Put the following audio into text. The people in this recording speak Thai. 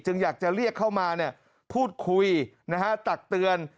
อยากจะเรียกเข้ามาพูดคุยตักเตือน